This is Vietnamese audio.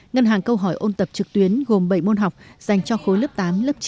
ngân hàng câu hỏi ôn tập trực tuyến gồm bảy môn học dành cho khối lớp tám lớp chín